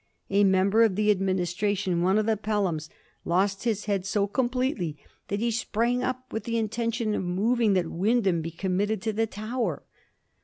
A member of the Admin istration, one of the Pelhams, lost his head so complete ly that he sprang up with the intention of moving that Wyndham be committed to the Tower.